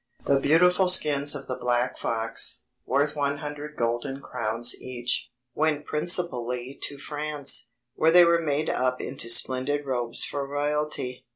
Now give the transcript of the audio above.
The beautiful skins of the black fox, worth one hundred golden crowns each, went principally to France, where they were made up into splendid robes for royalty.